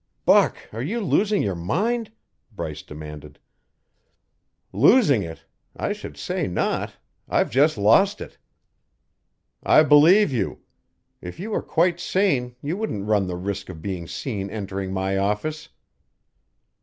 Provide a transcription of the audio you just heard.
"Buck, are you losing your mind?" Bryce demanded. "Losing it? I should say not. I've just lost it." "I believe you. If you were quite sane, you wouldn't run the risk of being seen entering my office."